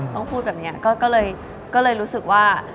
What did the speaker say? พูดแบบนี้ก็เลยรู้สึกว่า